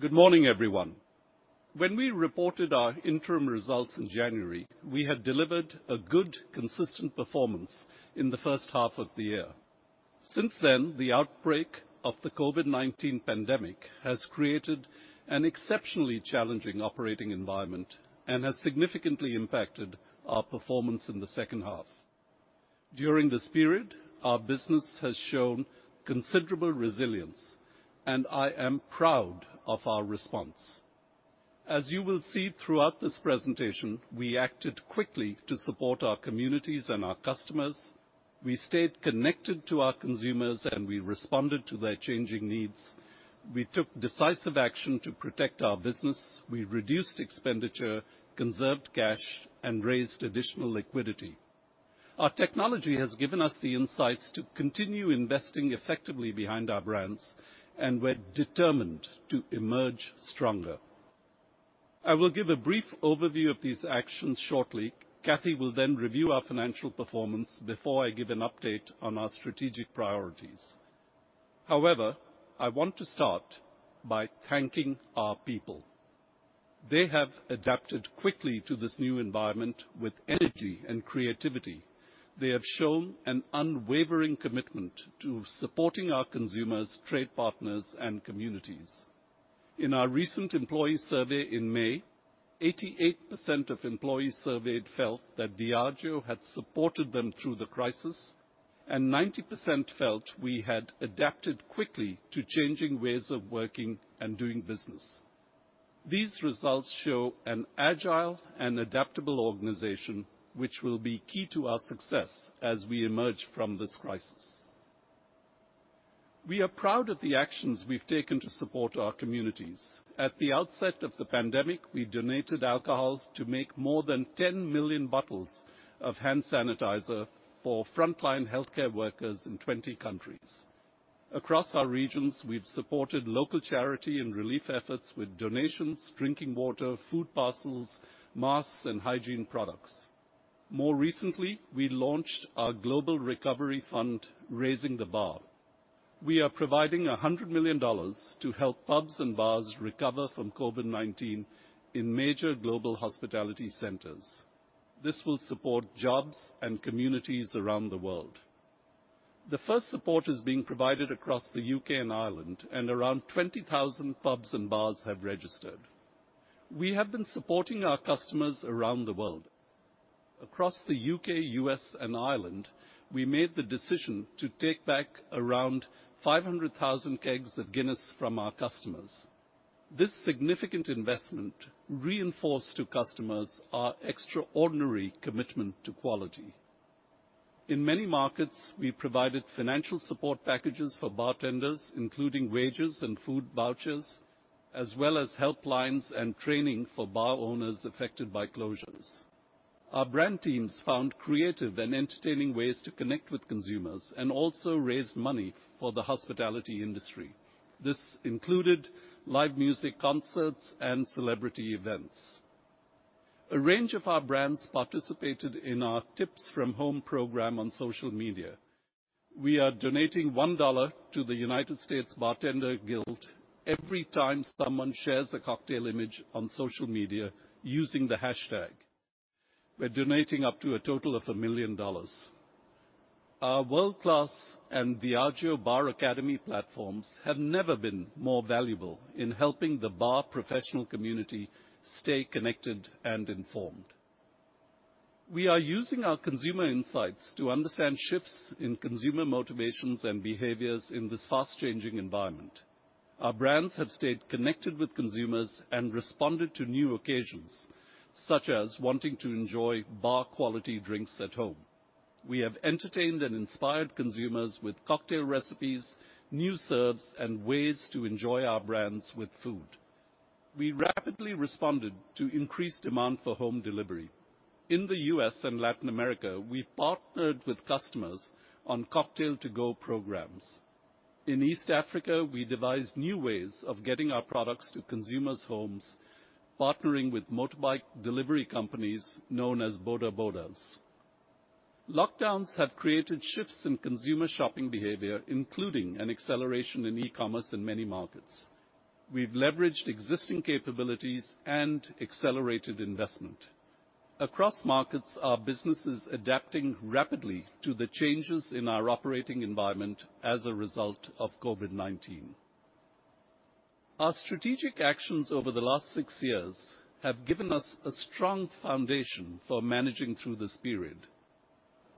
Good morning, everyone. When we reported our interim results in January, we had delivered a good, consistent performance in the first half of the year. Since then, the outbreak of the COVID-19 pandemic has created an exceptionally challenging operating environment and has significantly impacted our performance in the second half. During this period, our business has shown considerable resilience, and I am proud of our response. As you will see throughout this presentation, we acted quickly to support our communities and our customers. We stayed connected to our consumers, and we responded to their changing needs. We took decisive action to protect our business. We reduced expenditure, conserved cash, and raised additional liquidity. Our technology has given us the insights to continue investing effectively behind our brands, and we're determined to emerge stronger. I will give a brief overview of these actions shortly. Kathy will then review our financial performance before I give an update on our strategic priorities. However, I want to start by thanking our people. They have adapted quickly to this new environment with energy and creativity. They have shown an unwavering commitment to supporting our consumers, trade partners, and communities. In our recent employee survey in May, 88% of employees surveyed felt that Diageo had supported them through the crisis, and 90% felt we had adapted quickly to changing ways of working and doing business. These results show an agile and adaptable organization, which will be key to our success as we emerge from this crisis. We are proud of the actions we've taken to support our communities. At the outset of the pandemic, we donated alcohol to make more than 10 million bottles of hand sanitizer for frontline healthcare workers in 20 countries. Across our regions, we've supported local charity and relief efforts with donations, drinking water, food parcels, masks, and hygiene products. More recently, we launched our global recovery fund, Raising the Bar. We are providing $100 million to help pubs and bars recover from COVID-19 in major global hospitality centers. This will support jobs and communities around the world. The first support is being provided across the U.K. and Ireland, and around 20,000 pubs and bars have registered. We have been supporting our customers around the world. Across the U.K., U.S., and Ireland, we made the decision to take back around 500,000 kegs of Guinness from our customers. This significant investment reinforced to customers our extraordinary commitment to quality. In many markets, we provided financial support packages for bartenders, including wages and food vouchers, as well as helplines and training for bar owners affected by closures. Our brand teams found creative and entertaining ways to connect with consumers and also raise money for the hospitality industry. This included live music, concerts, and celebrity events. A range of our brands participated in our #TipsFromHome program on social media. We are donating $1 to the United States Bartenders' Guild every time someone shares a cocktail image on social media using the hashtag. We are donating up to a total of $1 million. Our World Class and Diageo Bar Academy platforms have never been more valuable in helping the bar professional community stay connected and informed. We are using our consumer insights to understand shifts in consumer motivations and behaviors in this fast-changing environment. Our brands have stayed connected with consumers and responded to new occasions, such as wanting to enjoy bar-quality drinks at home. We have entertained and inspired consumers with cocktail recipes, new serves, and ways to enjoy our brands with food. We rapidly responded to increased demand for home delivery. In the U.S. and Latin America, we've partnered with customers on cocktail-to-go programs. In East Africa, we devised new ways of getting our products to consumers' homes, partnering with motorbike delivery companies known as boda bodas. Lockdowns have created shifts in consumer shopping behavior, including an acceleration in e-commerce in many markets. We've leveraged existing capabilities and accelerated investment. Across markets, our business is adapting rapidly to the changes in our operating environment as a result of COVID-19. Our strategic actions over the last six years have given us a strong foundation for managing through this period.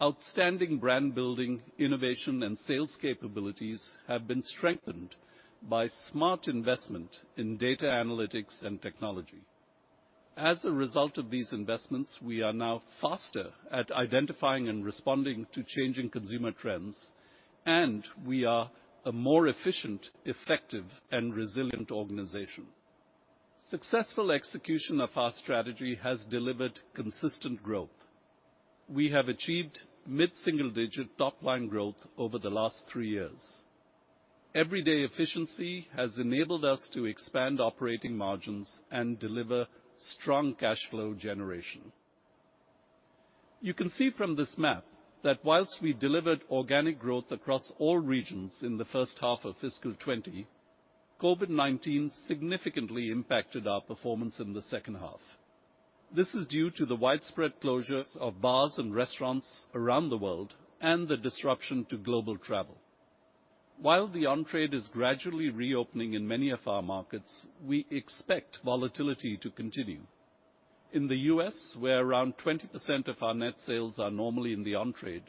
Outstanding brand building, innovation, and sales capabilities have been strengthened by smart investment in data analytics and technology. As a result of these investments, we are now faster at identifying and responding to changing consumer trends, and we are a more efficient, effective, and resilient organization. Successful execution of our strategy has delivered consistent growth. We have achieved mid-single digit top-line growth over the last three years. Everyday efficiency has enabled us to expand operating margins and deliver strong cash flow generation. You can see from this map that whilst we delivered organic growth across all regions in the first half of fiscal 2020, COVID-19 significantly impacted our performance in the second half. This is due to the widespread closures of bars and restaurants around the world, and the disruption to global travel. While the on-trade is gradually reopening in many of our markets, we expect volatility to continue. In the U.S., where around 20% of our net sales are normally in the on-trade,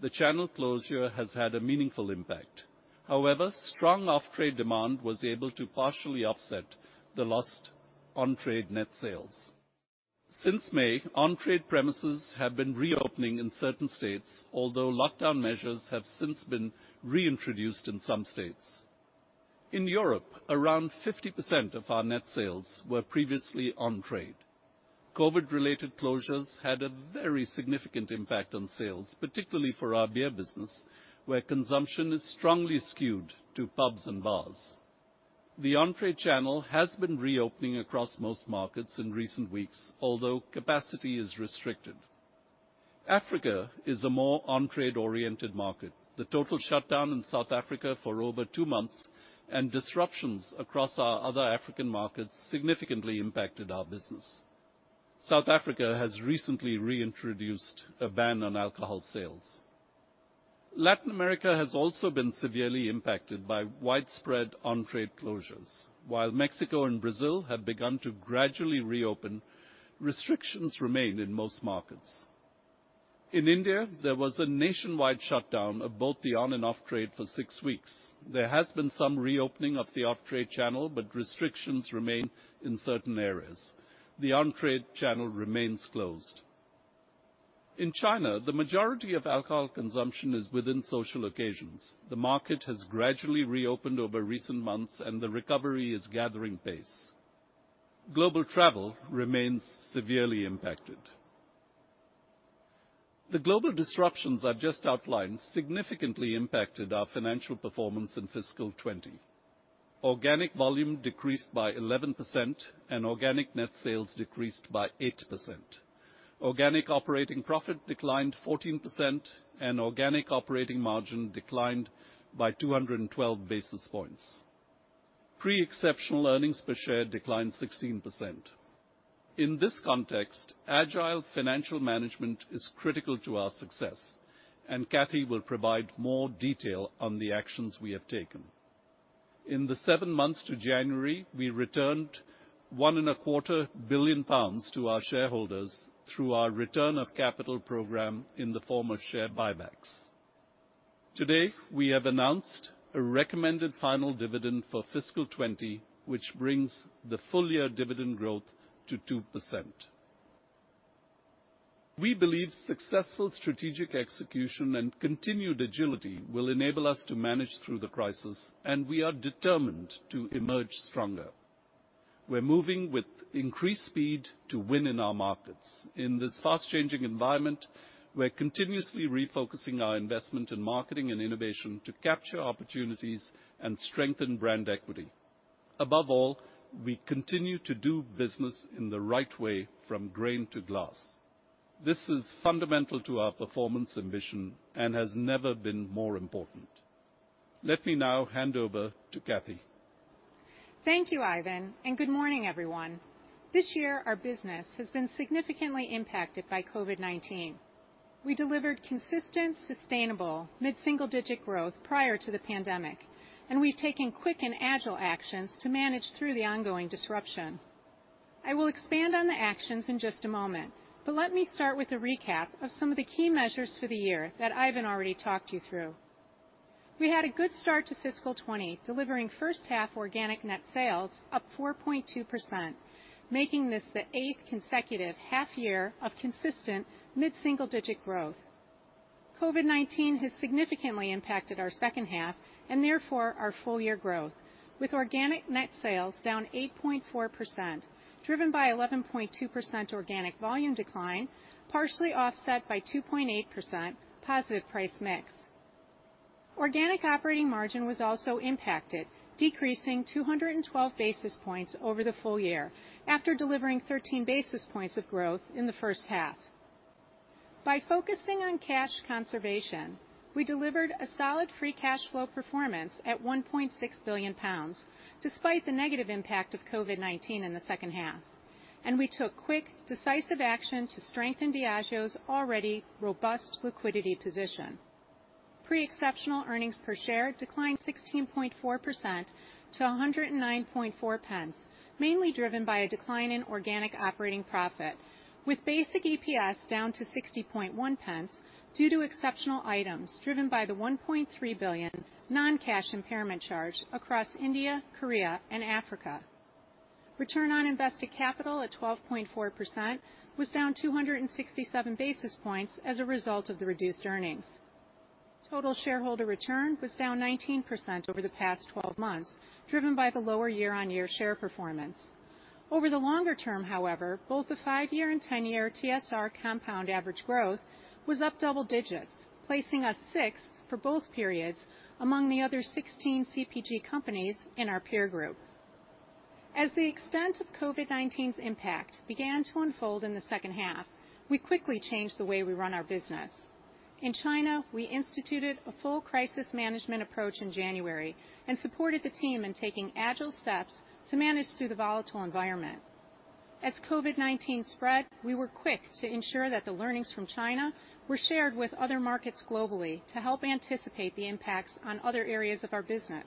the channel closure has had a meaningful impact. Strong off-trade demand was able to partially offset the lost on-trade net sales. Since May, on-trade premises have been reopening in certain states, although lockdown measures have since been reintroduced in some states. In Europe, around 50% of our net sales were previously on-trade. COVID-19-related closures had a very significant impact on sales, particularly for our beer business, where consumption is strongly skewed to pubs and bars. The on-trade channel has been reopening across most markets in recent weeks, although capacity is restricted. Africa is a more on-trade oriented market. The total shutdown in South Africa for over two months, and disruptions across our other African markets, significantly impacted our business. South Africa has recently reintroduced a ban on alcohol sales. Latin America has also been severely impacted by widespread on-trade closures. While Mexico and Brazil have begun to gradually reopen, restrictions remain in most markets. In India, there was a nationwide shutdown of both the on and off trade for six weeks. There has been some reopening of the off-trade channel, but restrictions remain in certain areas. The on-trade channel remains closed. In China, the majority of alcohol consumption is within social occasions. The market has gradually reopened over recent months, and the recovery is gathering pace. Global travel remains severely impacted. The global disruptions I've just outlined significantly impacted our financial performance in fiscal 2020. Organic volume decreased by 11%, and organic net sales decreased by 8%. Organic operating profit declined 14%, and organic operating margin declined by 212 basis points. Pre-exceptional earnings per share declined 16%. In this context, agile financial management is critical to our success, and Kathy will provide more detail on the actions we have taken. In the seven months to January, we returned one and a quarter billion pounds to our shareholders through our return of capital program in the form of share buybacks. Today, we have announced a recommended final dividend for fiscal 2020, which brings the full year dividend growth to 2%. We believe successful strategic execution and continued agility will enable us to manage through the crisis, and we are determined to emerge stronger. We're moving with increased speed to win in our markets. In this fast-changing environment, we're continuously refocusing our investment in marketing and innovation to capture opportunities and strengthen brand equity. Above all, we continue to do business in the right way from grain to glass. This is fundamental to our performance ambition and has never been more important. Let me now hand over to Kathy. Thank you, Ivan. Good morning, everyone. This year, our business has been significantly impacted by COVID-19. We delivered consistent, sustainable, mid-single-digit growth prior to the pandemic, and we've taken quick and agile actions to manage through the ongoing disruption. I will expand on the actions in just a moment, but let me start with a recap of some of the key measures for the year that Ivan already talked you through. We had a good start to fiscal 2020, delivering first half organic net sales up 4.2%, making this the eighth consecutive half year of consistent mid-single-digit growth. COVID-19 has significantly impacted our second half, and therefore, our full year growth, with organic net sales down 8.4%, driven by 11.2% organic volume decline, partially offset by 2.8% positive price mix. Organic operating margin was also impacted, decreasing 212 basis points over the full year, after delivering 13 basis points of growth in the first half. By focusing on cash conservation, we delivered a solid free cash flow performance at 1.6 billion pounds, despite the negative impact of COVID-19 in the second half. We took quick, decisive action to strengthen Diageo's already robust liquidity position. Pre-exceptional EPS declined 16.4% to 1.094, mainly driven by a decline in organic operating profit, with basic EPS down to 0.601 due to exceptional items driven by the 1.3 billion non-cash impairment charge across India, Korea, and Africa. Return on invested capital at 12.4% was down 267 basis points as a result of the reduced earnings. Total shareholder return was down 19% over the past 12 months, driven by the lower year-on-year share performance. Over the longer term, however, both the five-year and 10-year TSR compound average growth was up double digits, placing us sixth for both periods among the other 16 CPG companies in our peer group. As the extent of COVID-19's impact began to unfold in the second half, we quickly changed the way we run our business. In China, we instituted a full crisis management approach in January and supported the team in taking agile steps to manage through the volatile environment. As COVID-19 spread, we were quick to ensure that the learnings from China were shared with other markets globally to help anticipate the impacts on other areas of our business.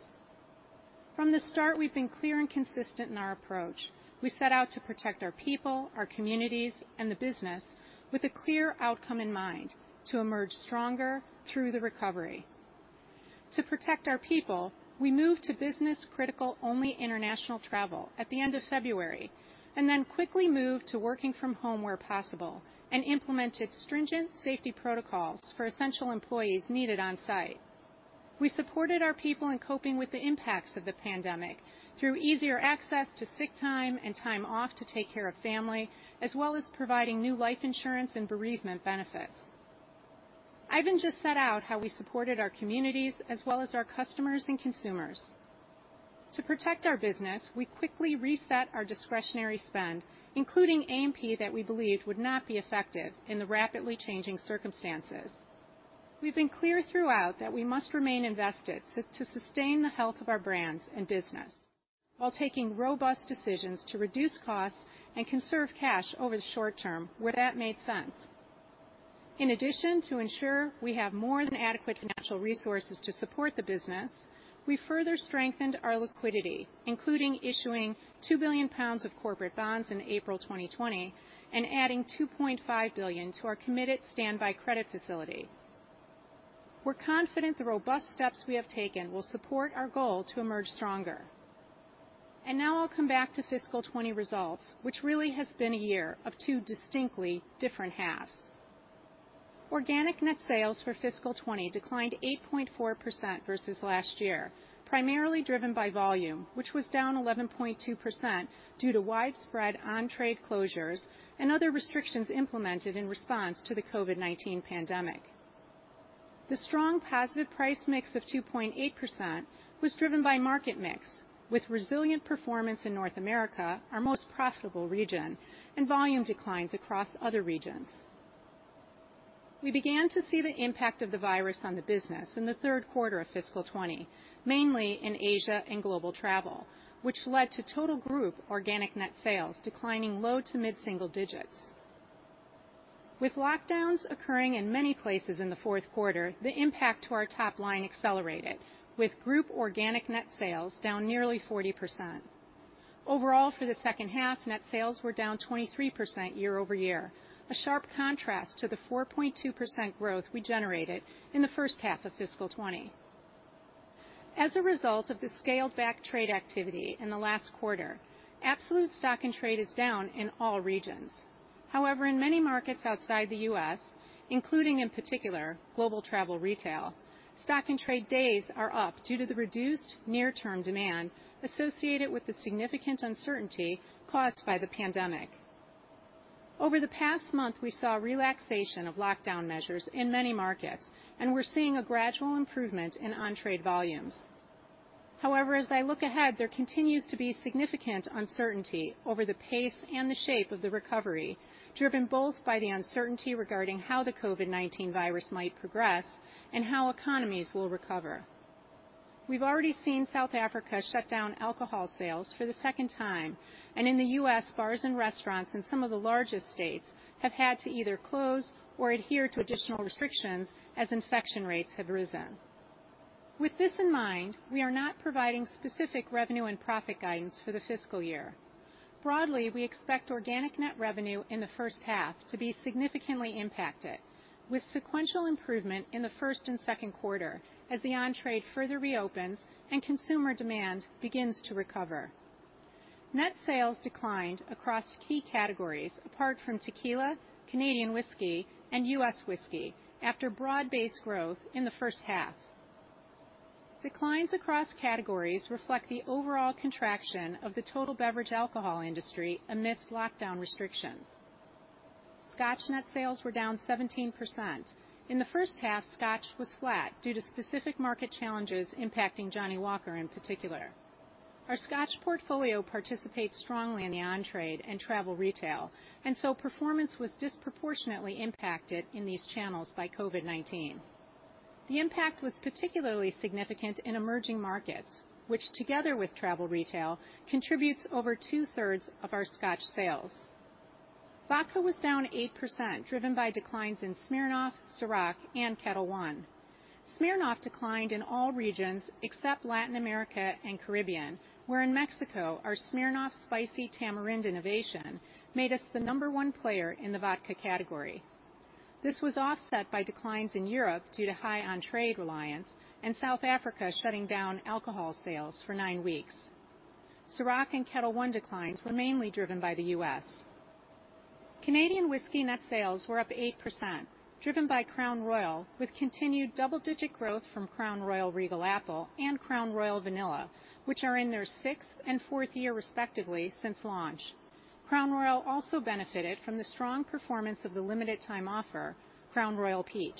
From the start, we've been clear and consistent in our approach. We set out to protect our people, our communities, and the business with a clear outcome in mind, to emerge stronger through the recovery. To protect our people, we moved to business critical only international travel at the end of February, and then quickly moved to working from home where possible and implemented stringent safety protocols for essential employees needed on site. We supported our people in coping with the impacts of the pandemic through easier access to sick time and time off to take care of family, as well as providing new life insurance and bereavement benefits. Ivan just set out how we supported our communities as well as our customers and consumers. To protect our business, we quickly reset our discretionary spend, including A&P that we believed would not be effective in the rapidly changing circumstances. We've been clear throughout that we must remain invested to sustain the health of our brands and business while taking robust decisions to reduce costs and conserve cash over the short term where that made sense. To ensure we have more than adequate financial resources to support the business, we further strengthened our liquidity, including issuing 2 billion pounds of corporate bonds in April 2020 and adding 2.5 billion to our committed standby credit facility. We're confident the robust steps we have taken will support our goal to emerge stronger. Now I'll come back to fiscal 2020 results, which really has been a year of two distinctly different halves. Organic net sales for fiscal 2020 declined 8.4% versus last year, primarily driven by volume, which was down 11.2% due to widespread on-trade closures and other restrictions implemented in response to the COVID-19 pandemic. The strong positive price mix of 2.8% was driven by market mix with resilient performance in North America, our most profitable region, and volume declines across other regions. We began to see the impact of the virus on the business in the third quarter of fiscal 2020, mainly in Asia and global travel, which led to total group organic net sales declining low to mid single digits. With lockdowns occurring in many places in the fourth quarter, the impact to our top line accelerated with group organic net sales down nearly 40%. Overall, for the second half, net sales were down 23% year-over-year. A sharp contrast to the 4.2% growth we generated in the first half of fiscal 2020. As a result of the scaled-back trade activity in the last quarter, absolute stock in trade is down in all regions. However, in many markets outside the U.S., including in particular global travel retail, stock in trade days are up due to the reduced near-term demand associated with the significant uncertainty caused by the pandemic. Over the past month, we saw relaxation of lockdown measures in many markets, and we're seeing a gradual improvement in on-trade volumes. However, as I look ahead, there continues to be significant uncertainty over the pace and the shape of the recovery, driven both by the uncertainty regarding how the COVID-19 virus might progress and how economies will recover. We've already seen South Africa shut down alcohol sales for the second time, and in the U.S., bars and restaurants in some of the largest states have had to either close or adhere to additional restrictions as infection rates have risen. With this in mind, we are not providing specific revenue and profit guidance for the fiscal year. Broadly, we expect organic net revenue in the first half to be significantly impacted with sequential improvement in the first and second quarter as the on-trade further reopens and consumer demand begins to recover. Net sales declined across key categories apart from tequila, Canadian whisky, and U.S. whisky after broad-based growth in the first half. Declines across categories reflect the overall contraction of the total beverage alcohol industry amidst lockdown restrictions. Scotch net sales were down 17%. In the first half, Scotch was flat due to specific market challenges impacting Johnnie Walker in particular. Our Scotch portfolio participates strongly in the on-trade and travel retail, and so performance was disproportionately impacted in these channels by COVID-19. The impact was particularly significant in emerging markets, which together with travel retail, contributes over 2/3 of our Scotch sales. Vodka was down 8%, driven by declines in Smirnoff, Cîroc, and Ketel One. Smirnoff declined in all regions except Latin America and Caribbean, where in Mexico, our Smirnoff Spicy Tamarind innovation made us the number one player in the vodka category. This was offset by declines in Europe due to high on-trade reliance and South Africa shutting down alcohol sales for nine weeks. Cîroc and Ketel One declines were mainly driven by the U.S. Canadian whisky net sales were up 8%, driven by Crown Royal with continued double-digit growth from Crown Royal Regal Apple and Crown Royal Vanilla, which are in their sixth and fourth year, respectively, since launch. Crown Royal also benefited from the strong performance of the limited time offer, Crown Royal Peach.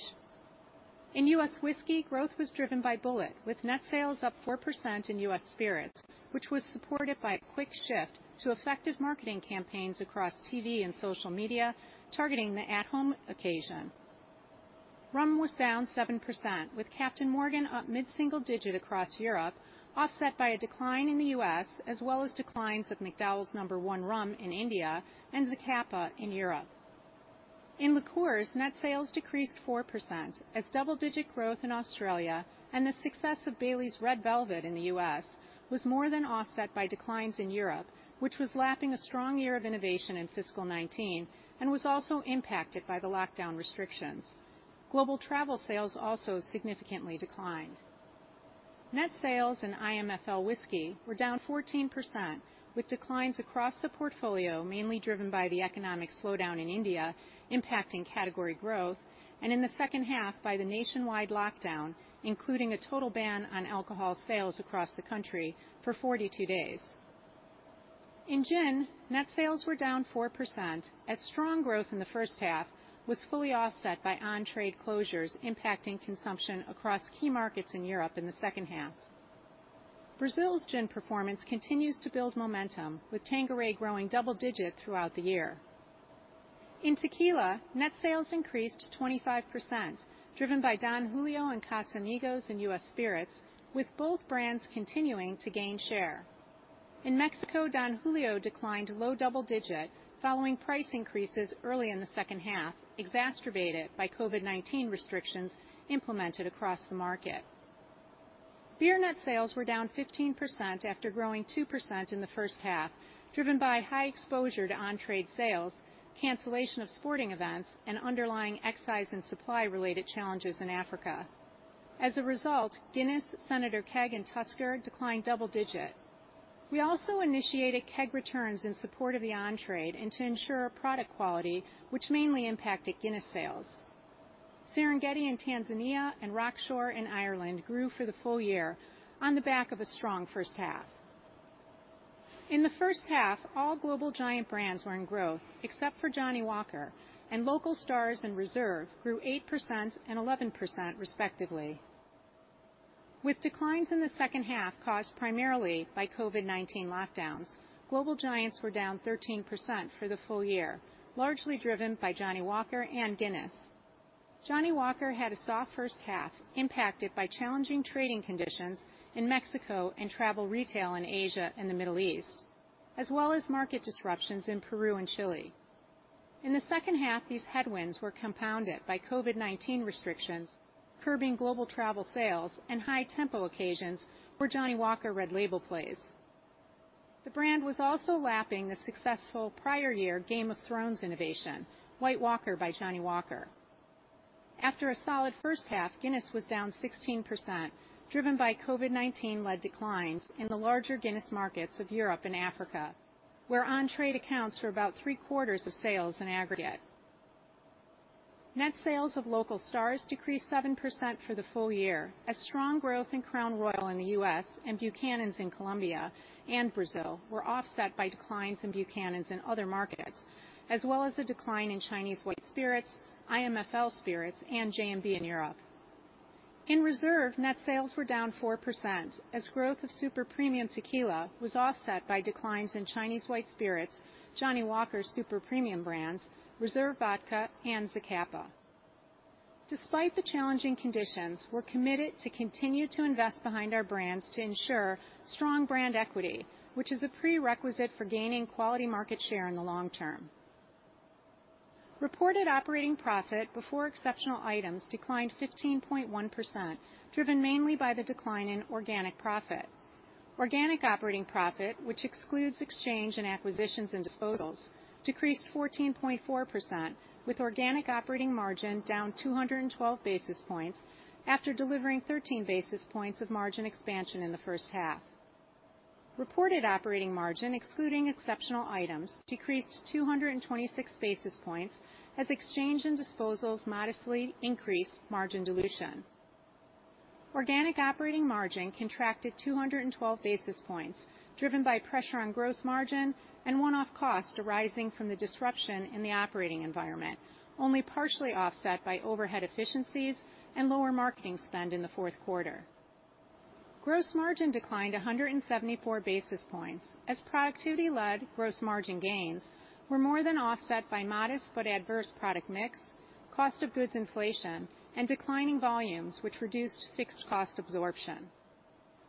In U.S. whiskey, growth was driven by Bulleit, with net sales up 4% in U.S. spirits, which was supported by a quick shift to effective marketing campaigns across TV and social media targeting the at-home occasion. Rum was down 7%, with Captain Morgan up mid-single digit across Europe, offset by a decline in the U.S. as well as declines of McDowell's No. 1 rum in India and Zacapa in Europe. In liqueurs, net sales decreased 4% as double-digit growth in Australia and the success of Baileys Red Velvet in the U.S. was more than offset by declines in Europe, which was lapping a strong year of innovation in fiscal 2019, and was also impacted by the lockdown restrictions. Global travel sales also significantly declined. Net sales in IMFL whisky were down 14%, with declines across the portfolio mainly driven by the economic slowdown in India impacting category growth, and in the second half by the nationwide lockdown, including a total ban on alcohol sales across the country for 42 days. In gin, net sales were down 4%, as strong growth in the first half was fully offset by on-trade closures impacting consumption across key markets in Europe in the second half. Brazil's gin performance continues to build momentum, with Tanqueray growing double digit throughout the year. In tequila, net sales increased 25%, driven by Don Julio and Casamigos in U.S. Spirits, with both brands continuing to gain share. In Mexico, Don Julio declined low double digit following price increases early in the second half, exacerbated by COVID-19 restrictions implemented across the market. Beer net sales were down 15% after growing 2% in the first half, driven by high exposure to on-trade sales, cancellation of sporting events, and underlying excise and supply-related challenges in Africa. As a result, Guinness, Senator Keg, and Tusker declined double digit. We also initiated keg returns in support of the on-trade and to ensure product quality, which mainly impacted Guinness sales. Serengeti in Tanzania and Rockshore in Ireland grew for the full year on the back of a strong first half. In the first half, all global giant brands were in growth except for Johnnie Walker, and local stars and reserve grew 8% and 11% respectively. With declines in the second half caused primarily by COVID-19 lockdowns, global giants were down 13% for the full year, largely driven by Johnnie Walker and Guinness. Johnnie Walker had a soft first half, impacted by challenging trading conditions in Mexico and travel retail in Asia and the Middle East, as well as market disruptions in Peru and Chile. In the second half, these headwinds were compounded by COVID-19 restrictions, curbing global travel sales and high tempo occasions where Johnnie Walker Red Label plays. The brand was also lapping the successful prior year Game of Thrones innovation, White Walker by Johnnie Walker. After a solid first half, Guinness was down 16%, driven by COVID-19-led declines in the larger Guinness markets of Europe and Africa, where on-trade accounts for about 3/4 of sales in aggregate. Net sales of local stars decreased 7% for the full year, as strong growth in Crown Royal in the U.S. and Buchanan's in Colombia and Brazil were offset by declines in Buchanan's in other markets, as well as a decline in Chinese white spirits, IMFL spirits, and J&B in Europe. In Reserve, net sales were down 4%, as growth of super premium tequila was offset by declines in Chinese white spirits, Johnnie Walker's super premium brands, Reserve Vodka, and Zacapa. Despite the challenging conditions, we're committed to continue to invest behind our brands to ensure strong brand equity, which is a prerequisite for gaining quality market share in the long term. Reported operating profit before exceptional items declined 15.1%, driven mainly by the decline in organic profit. Organic operating profit, which excludes exchange and acquisitions and disposals, decreased 14.4%, with organic operating margin down 212 basis points after delivering 13 basis points of margin expansion in the first half. Reported operating margin excluding exceptional items decreased 226 basis points as exchange and disposals modestly increased margin dilution. Organic operating margin contracted 212 basis points, driven by pressure on gross margin and one-off costs arising from the disruption in the operating environment, only partially offset by overhead efficiencies and lower marketing spend in the fourth quarter. Gross margin declined 174 basis points as productivity-led gross margin gains were more than offset by modest but adverse product mix, cost of goods inflation, and declining volumes, which reduced fixed cost absorption.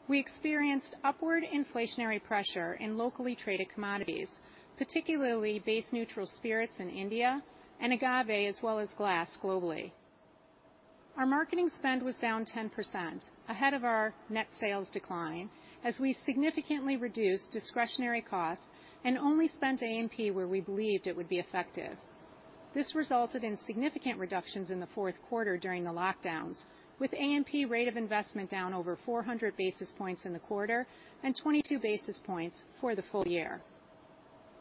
We experienced upward inflationary pressure in locally traded commodities, particularly base neutral spirits in India and agave, as well as glass globally. Our marketing spend was down 10%, ahead of our net sales decline, as we significantly reduced discretionary costs and only spent A&P where we believed it would be effective. This resulted in significant reductions in the fourth quarter during the lockdowns, with A&P rate of investment down over 400 basis points in the quarter and 22 basis points for the full year.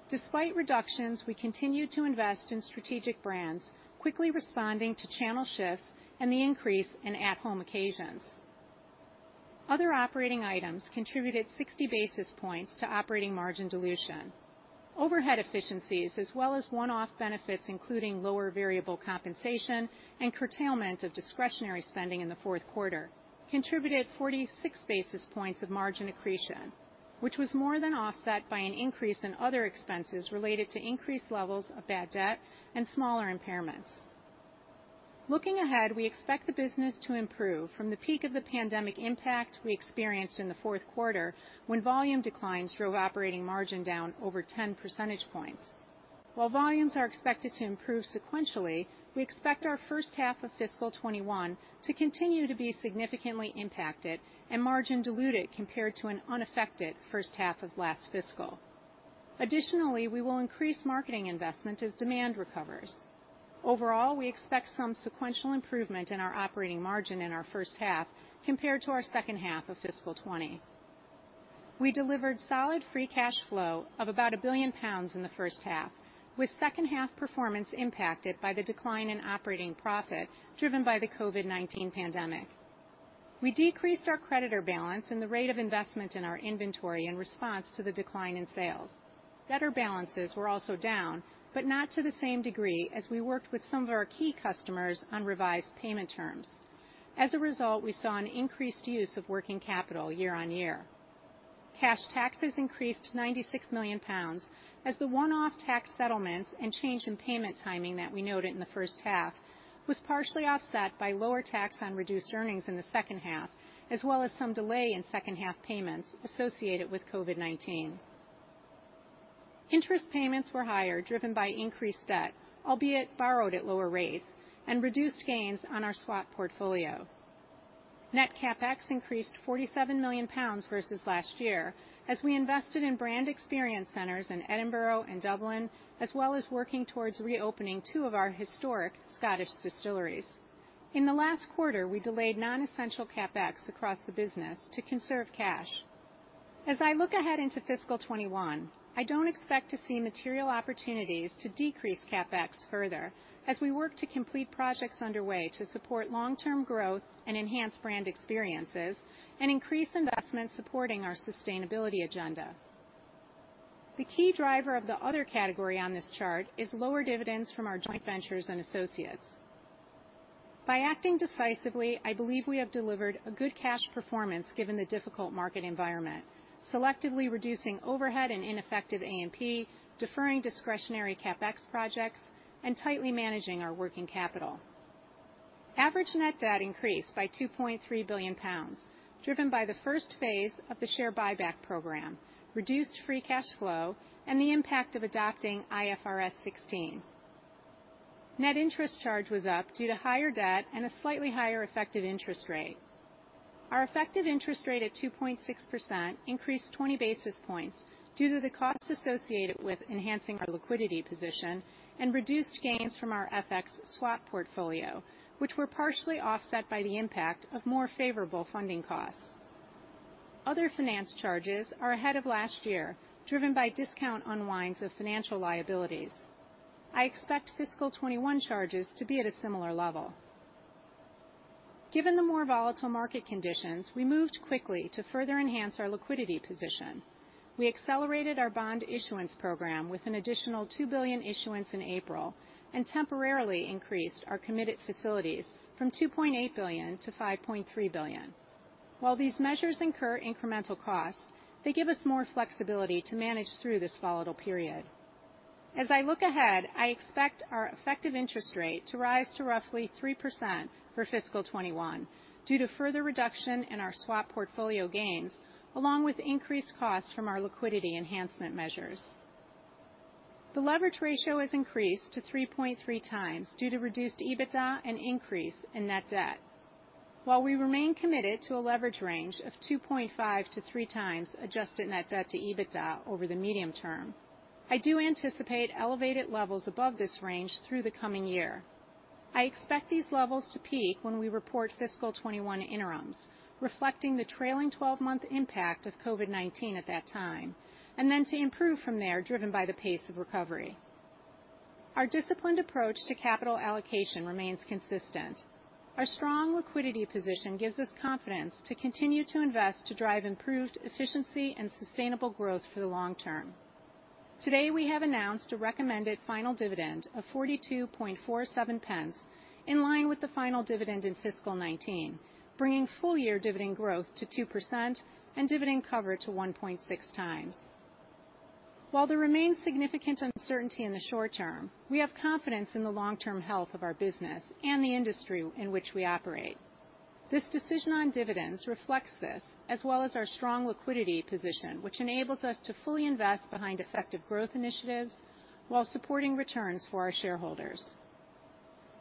Despite reductions, we continued to invest in strategic brands, quickly responding to channel shifts and the increase in at-home occasions. Other operating items contributed 60 basis points to operating margin dilution. Overhead efficiencies, as well as one-off benefits, including lower variable compensation and curtailment of discretionary spending in the fourth quarter, contributed 46 basis points of margin accretion, which was more than offset by an increase in other expenses related to increased levels of bad debt and smaller impairments. Looking ahead, we expect the business to improve from the peak of the pandemic impact we experienced in the fourth quarter, when volume declines drove operating margin down over 10 percentage points. While volumes are expected to improve sequentially, we expect our first half of fiscal 2021 to continue to be significantly impacted and margin diluted compared to an unaffected first half of last fiscal. We will increase marketing investment as demand recovers. We expect some sequential improvement in our operating margin in our first half compared to our second half of fiscal 2020. We delivered solid free cash flow of about 1 billion pounds in the first half, with second half performance impacted by the decline in operating profit driven by the COVID-19 pandemic. We decreased our creditor balance and the rate of investment in our inventory in response to the decline in sales. Debtor balances were also down, but not to the same degree, as we worked with some of our key customers on revised payment terms. As a result, we saw an increased use of working capital year on year. Cash taxes increased to 96 million pounds as the one-off tax settlements and change in payment timing that we noted in the first half was partially offset by lower tax on reduced earnings in the second half, as well as some delay in second half payments associated with COVID-19. Interest payments were higher, driven by increased debt, albeit borrowed at lower rates, and reduced gains on our swap portfolio. Net CapEx increased 47 million pounds versus last year as we invested in brand experience centers in Edinburgh and Dublin, as well as working towards reopening two of our historic Scottish distilleries. In the last quarter, I delayed non-essential CapEx across the business to conserve cash. As I look ahead into fiscal 2021, I don't expect to see material opportunities to decrease CapEx further as we work to complete projects underway to support long-term growth and enhance brand experiences and increase investment supporting our sustainability agenda. The key driver of the other category on this chart is lower dividends from our joint ventures and associates. By acting decisively, I believe we have delivered a good cash performance given the difficult market environment, selectively reducing overhead and ineffective A&P, deferring discretionary CapEx projects, and tightly managing our working capital. Average net debt increased by 2.3 billion pounds, driven by the first phase of the share buyback program, reduced free cash flow, and the impact of adopting IFRS 16. Net interest charge was up due to higher debt and a slightly higher effective interest rate. Our effective interest rate at 2.6% increased 20 basis points due to the costs associated with enhancing our liquidity position and reduced gains from our FX swap portfolio, which were partially offset by the impact of more favorable funding costs. Other finance charges are ahead of last year, driven by discount unwinds of financial liabilities. I expect fiscal 2021 charges to be at a similar level. Given the more volatile market conditions, we moved quickly to further enhance our liquidity position. We accelerated our bond issuance program with an additional 2 billion issuance in April and temporarily increased our committed facilities from 2.8 billion to 5.3 billion. While these measures incur incremental costs, they give us more flexibility to manage through this volatile period. As I look ahead, I expect our effective interest rate to rise to roughly 3% for fiscal 2021, due to further reduction in our swap portfolio gains, along with increased costs from our liquidity enhancement measures. The leverage ratio has increased to 3.3x due to reduced EBITDA and increase in net debt. While we remain committed to a leverage range of 2.5x-3.0x adjusted net debt to EBITDA over the medium term, I do anticipate elevated levels above this range through the coming year. I expect these levels to peak when we report fiscal 2021 interims, reflecting the trailing 12-month impact of COVID-19 at that time, and then to improve from there, driven by the pace of recovery. Our disciplined approach to capital allocation remains consistent. Our strong liquidity position gives us confidence to continue to invest to drive improved efficiency and sustainable growth for the long term. Today, we have announced a recommended final dividend of 0.4247, in line with the final dividend in fiscal 2019, bringing full year dividend growth to 2% and dividend cover to 1.6x. While there remains significant uncertainty in the short term, we have confidence in the long-term health of our business and the industry in which we operate. This decision on dividends reflects this, as well as our strong liquidity position, which enables us to fully invest behind effective growth initiatives while supporting returns for our shareholders.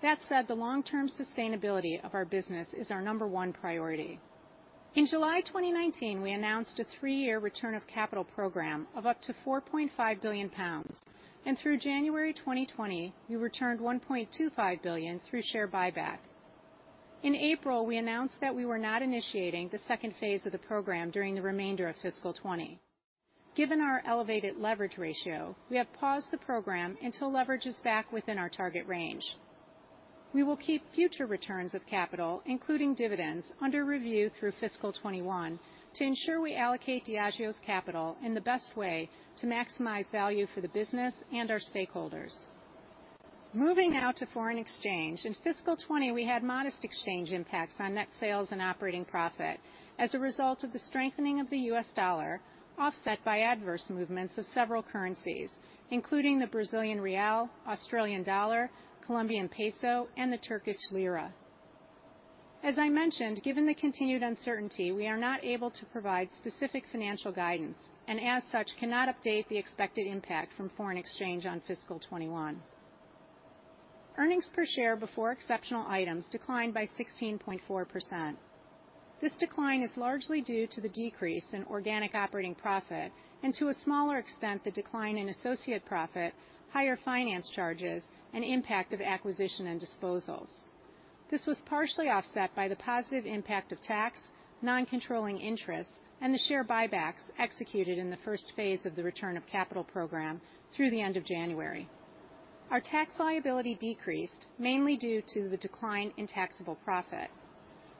That said, the long-term sustainability of our business is our number one priority. In July 2019, we announced a three-year return of capital program of up to 4.5 billion pounds, and through January 2020, we returned 1.25 billion through share buyback. In April, we announced that we were not initiating the second phase of the program during the remainder of fiscal 2020. Given our elevated leverage ratio, we have paused the program until leverage is back within our target range. We will keep future returns of capital, including dividends, under review through fiscal 2021 to ensure we allocate Diageo's capital in the best way to maximize value for the business and our stakeholders. Moving now to foreign exchange. In fiscal 2020, we had modest exchange impacts on net sales and operating profit as a result of the strengthening of the U.S. dollar, offset by adverse movements of several currencies, including the Brazilian real, Australian dollar, Colombian peso, and the Turkish lira. As I mentioned, given the continued uncertainty, we are not able to provide specific financial guidance. As such, cannot update the expected impact from foreign exchange on fiscal 2021. Earnings per share before exceptional items declined by 16.4%. This decline is largely due to the decrease in organic operating profit. To a smaller extent, the decline in associate profit, higher finance charges, and impact of acquisition and disposals. This was partially offset by the positive impact of tax, non-controlling interests, and the share buybacks executed in the first phase of the return of capital program through the end of January. Our tax liability decreased mainly due to the decline in taxable profit.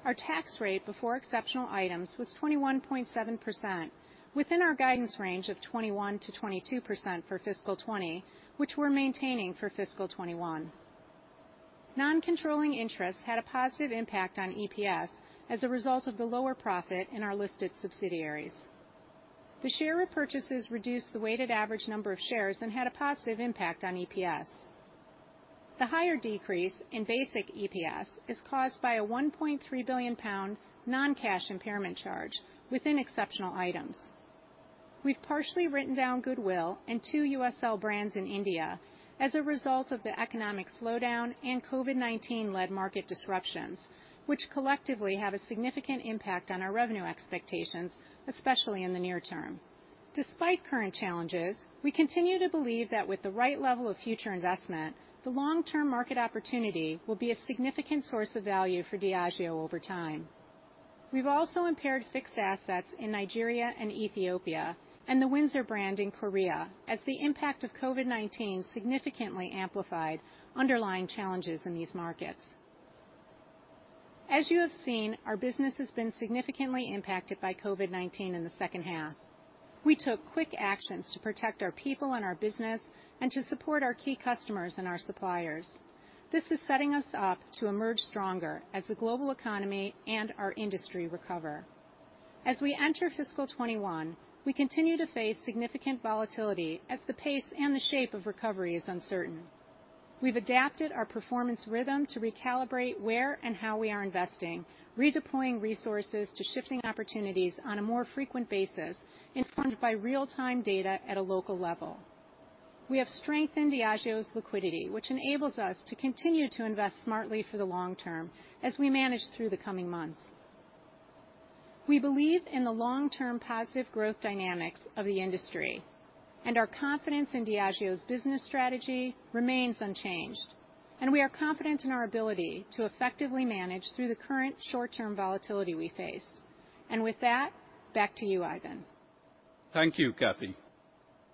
Our tax rate before exceptional items was 21.7%, within our guidance range of 21%-22% for fiscal 2020, which we're maintaining for fiscal 2021. Non-controlling interests had a positive impact on EPS as a result of the lower profit in our listed subsidiaries. The share repurchases reduced the weighted average number of shares and had a positive impact on EPS. The higher decrease in basic EPS is caused by a 1.3 billion pound non-cash impairment charge within exceptional items. We've partially written down goodwill and two USL brands in India as a result of the economic slowdown and COVID-19-led market disruptions, which collectively have a significant impact on our revenue expectations, especially in the near term. Despite current challenges, we continue to believe that with the right level of future investment, the long-term market opportunity will be a significant source of value for Diageo over time. We've also impaired fixed assets in Nigeria and Ethiopia and the Windsor brand in Korea as the impact of COVID-19 significantly amplified underlying challenges in these markets. As you have seen, our business has been significantly impacted by COVID-19 in the second half. We took quick actions to protect our people and our business and to support our key customers and our suppliers. This is setting us up to emerge stronger as the global economy and our industry recover. As we enter fiscal 2021, we continue to face significant volatility as the pace and the shape of recovery is uncertain. We've adapted our performance rhythm to recalibrate where and how we are investing, redeploying resources to shifting opportunities on a more frequent basis, informed by real-time data at a local level. We have strengthened Diageo's liquidity, which enables us to continue to invest smartly for the long term as we manage through the coming months. We believe in the long-term positive growth dynamics of the industry, and our confidence in Diageo's business strategy remains unchanged. We are confident in our ability to effectively manage through the current short-term volatility we face. With that, back to you, Ivan. Thank you, Kathy.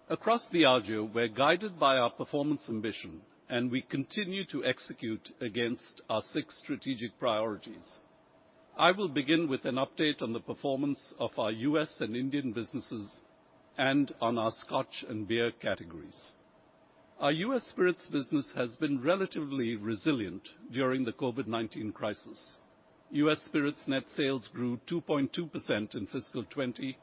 Across Diageo, we're guided by our performance ambition, and we continue to execute against our six strategic priorities. I will begin with an update on the performance of our U.S. and Indian businesses and on our scotch and beer categories. Our U.S. spirits business has been relatively resilient during the COVID-19 crisis. U.S. spirits net sales grew 2.2% in fiscal 2020.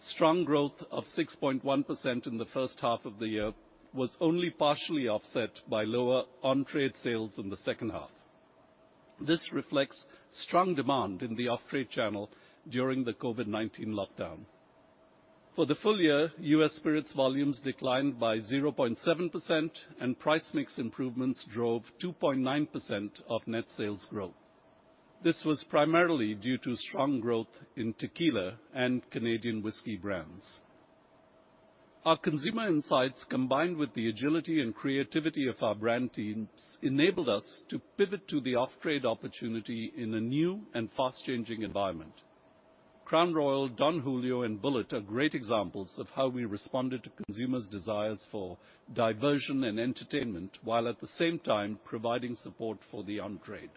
Strong growth of 6.1% in the first half of the year was only partially offset by lower on-trade sales in the second half. This reflects strong demand in the off-trade channel during the COVID-19 lockdown. For the full year, U.S. spirits volumes declined by 0.7%, and price mix improvements drove 2.9% of net sales growth. This was primarily due to strong growth in tequila and Canadian whisky brands. Our consumer insights, combined with the agility and creativity of our brand teams, enabled us to pivot to the off-trade opportunity in a new and fast-changing environment. Crown Royal, Don Julio, and Bulleit are great examples of how we responded to consumers' desires for diversion and entertainment while at the same time providing support for the on-trade.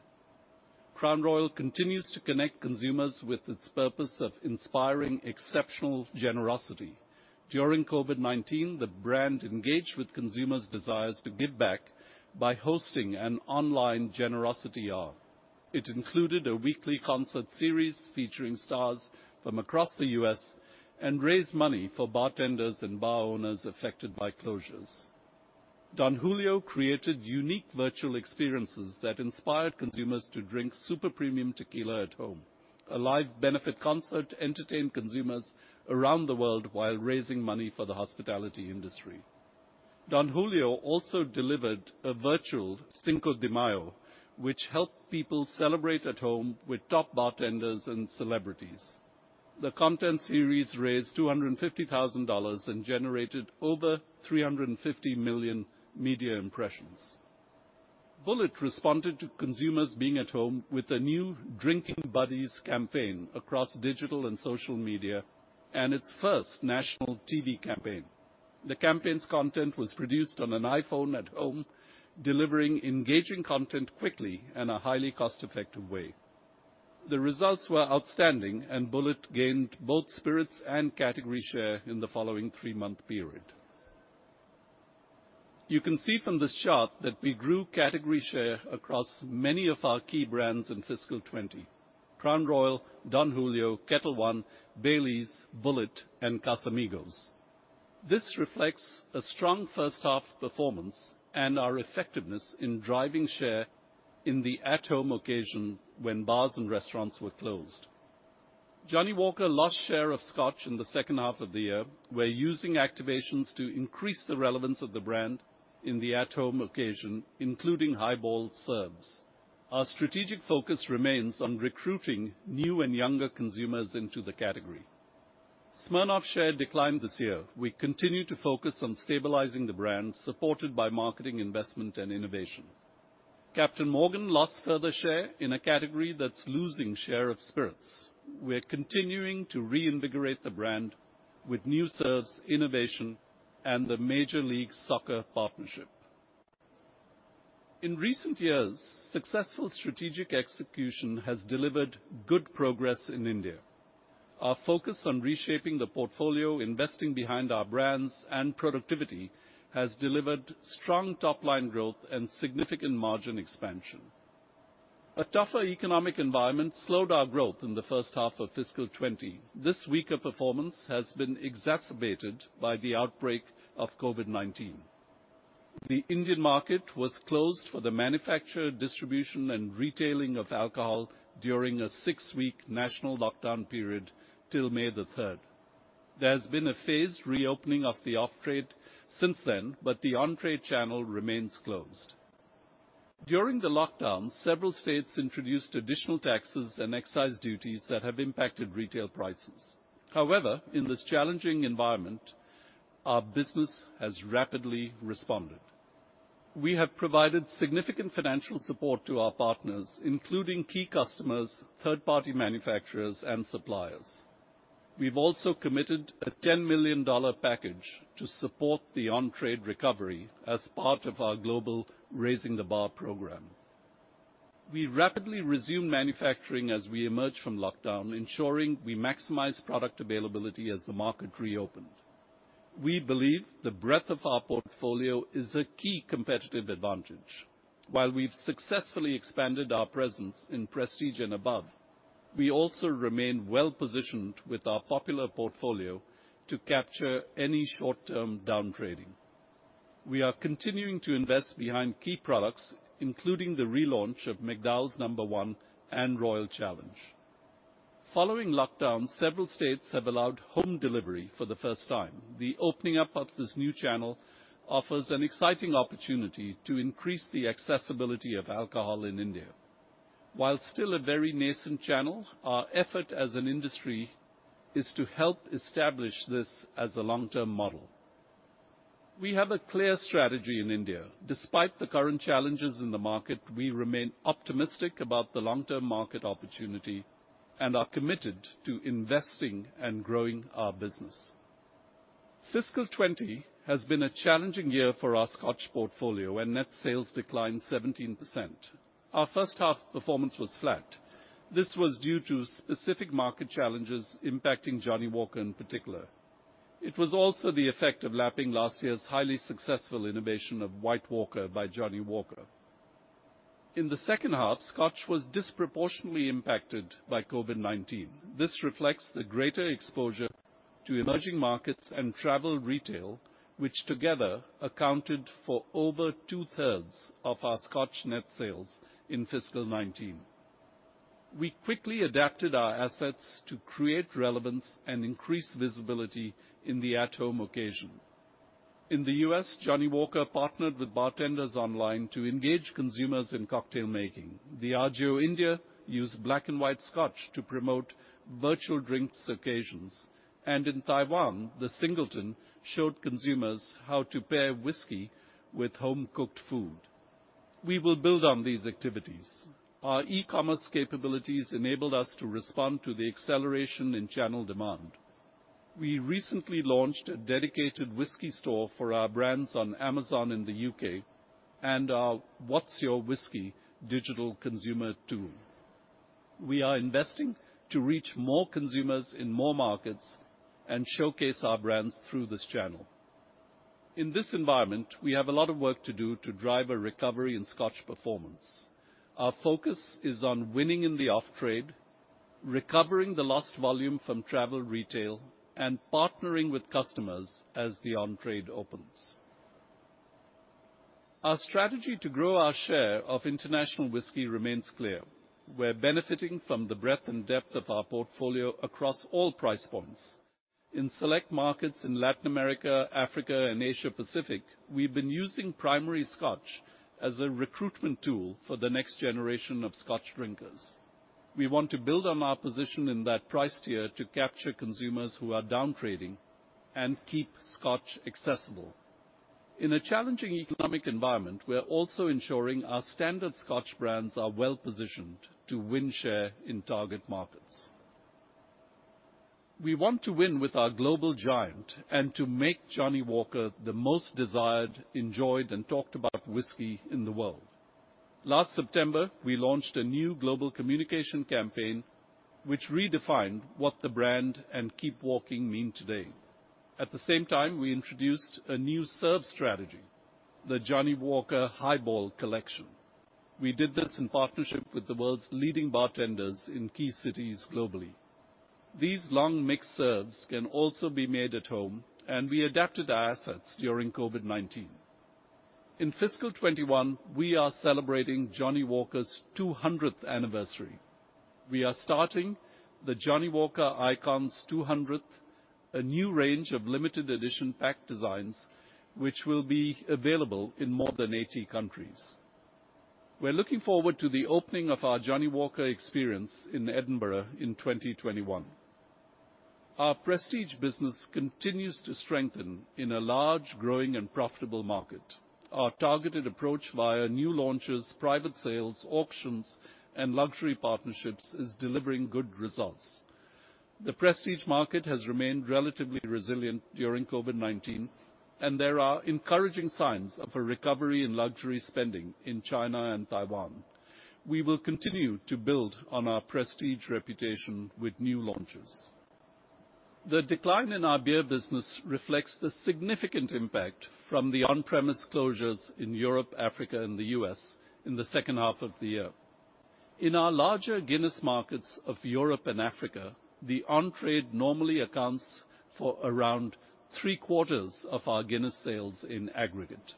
Crown Royal continues to connect consumers with its purpose of inspiring exceptional generosity. During COVID-19, the brand engaged with consumers' desires to give back by hosting an online generosity hour. It included a weekly concert series featuring stars from across the U.S. and raised money for bartenders and bar owners affected by closures. Don Julio created unique virtual experiences that inspired consumers to drink super premium tequila at home. A live benefit concert entertained consumers around the world while raising money for the hospitality industry. Don Julio also delivered a virtual Cinco de Mayo, which helped people celebrate at home with top bartenders and celebrities. The content series raised GBP 250,000 and generated over 350 million media impressions. Bulleit responded to consumers being at home with a new Drinking Buddies campaign across digital and social media and its first national TV campaign. The campaign's content was produced on an iPhone at home, delivering engaging content quickly in a highly cost-effective way. The results were outstanding, and Bulleit gained both spirits and category share in the following three-month period. You can see from this chart that we grew category share across many of our key brands in fiscal 2020: Crown Royal, Don Julio, Ketel One, Baileys, Bulleit, and Casamigos. This reflects a strong first half performance and our effectiveness in driving share in the at-home occasion when bars and restaurants were closed. Johnnie Walker lost share of Scotch in the second half of the year. We're using activations to increase the relevance of the brand in the at-home occasion, including highball serves. Our strategic focus remains on recruiting new and younger consumers into the category. Smirnoff share declined this year. We continue to focus on stabilizing the brand, supported by marketing investment and innovation. Captain Morgan lost further share in a category that's losing share of spirits. We're continuing to reinvigorate the brand with new serves, innovation, and the Major League Soccer partnership. In recent years, successful strategic execution has delivered good progress in India. Our focus on reshaping the portfolio, investing behind our brands, and productivity has delivered strong top-line growth and significant margin expansion. A tougher economic environment slowed our growth in the first half of fiscal 2020. This weaker performance has been exacerbated by the outbreak of COVID-19. The Indian market was closed for the manufacture, distribution, and retailing of alcohol during a six-week national lockdown period till May the 3rd. There's been a phased reopening of the off-trade since then, but the on-trade channel remains closed. During the lockdown, several states introduced additional taxes and excise duties that have impacted retail prices. However, in this challenging environment, our business has rapidly responded. We have provided significant financial support to our partners, including key customers, third-party manufacturers, and suppliers. We've also committed a $10 million package to support the on-trade recovery as part of our global Raising the Bar program. We rapidly resumed manufacturing as we emerged from lockdown, ensuring we maximize product availability as the market reopened. We believe the breadth of our portfolio is a key competitive advantage. While we've successfully expanded our presence in prestige and above, we also remain well-positioned with our popular portfolio to capture any short-term downtrading. We are continuing to invest behind key products, including the relaunch of McDowell's No. 1 and Royal Challenge. Following lockdown, several states have allowed home delivery for the first time. The opening up of this new channel offers an exciting opportunity to increase the accessibility of alcohol in India. While still a very nascent channel, our effort as an industry is to help establish this as a long-term model. We have a clear strategy in India. Despite the current challenges in the market, we remain optimistic about the long-term market opportunity and are committed to investing and growing our business. Fiscal 2020 has been a challenging year for our Scotch portfolio, where net sales declined 17%. Our first half performance was flat. This was due to specific market challenges impacting Johnnie Walker in particular. It was also the effect of lapping last year's highly successful innovation of White Walker by Johnnie Walker. In the second half, Scotch was disproportionately impacted by COVID-19. This reflects the greater exposure to emerging markets and travel retail, which together accounted for over 2/3 of our Scotch net sales in fiscal 2019. We quickly adapted our assets to create relevance and increase visibility in the at-home occasion. In the U.S., Johnnie Walker partnered with bartenders online to engage consumers in cocktail making. Diageo India used Black & White Scotch to promote virtual drinks occasions. In Taiwan, The Singleton showed consumers how to pair whisky with home-cooked food. We will build on these activities. Our e-commerce capabilities enabled us to respond to the acceleration in channel demand. We recently launched a dedicated whisky store for our brands on Amazon in the U.K. and our What's Your Whisky? digital consumer tool. We are investing to reach more consumers in more markets and showcase our brands through this channel. In this environment, we have a lot of work to do to drive a recovery in Scotch performance. Our focus is on winning in the off-trade, recovering the lost volume from travel retail, and partnering with customers as the on-trade opens. Our strategy to grow our share of international whisky remains clear. We're benefiting from the breadth and depth of our portfolio across all price points. In select markets in Latin America, Africa, and Asia Pacific, we've been using primary Scotch as a recruitment tool for the next generation of Scotch drinkers. We want to build on our position in that price tier to capture consumers who are downtrading and keep Scotch accessible. In a challenging economic environment, we're also ensuring our standard Scotch brands are well-positioned to win share in target markets. We want to win with our global giant and to make Johnnie Walker the most desired, enjoyed, and talked about whisky in the world. Last September, we launched a new global communication campaign, which redefined what the brand and Keep Walking mean today. At the same time, we introduced a new serve strategy, the Johnnie Walker Highball Collection. We did this in partnership with the world's leading bartenders in key cities globally. These long mixed serves can also be made at home, and we adapted our assets during COVID-19. In FY 2021, we are celebrating Johnnie Walker's 200th anniversary. We are starting the Johnnie Walker Icons 200, a new range of limited edition pack designs, which will be available in more than 80 countries. We're looking forward to the opening of our Johnnie Walker experience in Edinburgh in 2021. Our prestige business continues to strengthen in a large, growing, and profitable market. Our targeted approach via new launches, private sales, auctions, and luxury partnerships is delivering good results. The prestige market has remained relatively resilient during COVID-19, and there are encouraging signs of a recovery in luxury spending in China and Taiwan. We will continue to build on our prestige reputation with new launches. The decline in our beer business reflects the significant impact from the on-premise closures in Europe, Africa, and the U.S. in the second half of the year. In our larger Guinness markets of Europe and Africa, the on-trade normally accounts for around three quarters of our Guinness sales in aggregate.